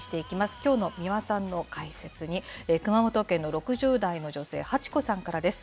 きょうの三輪さんの解説に、熊本県の６０代の女性、はちこさんからです。